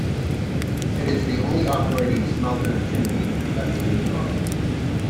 It is the only operating smelter chimney left in Utah.